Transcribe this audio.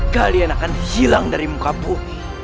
kalian akan hilang dari muka bumi